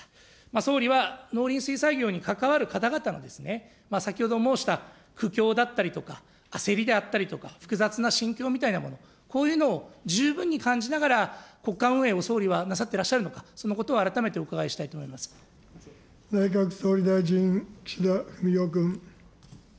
総理は、農林水産業に関わる方々の先ほど申した苦境だったりとか、焦りであるとか、複雑な心境みたいなもの、こういうのを十分に感じながら、国会運営を総理はなさっていらっしゃるのか、そのことを改め内閣総理大臣、岸田文雄君。